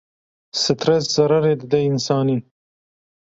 Stres zerarê dide însanî.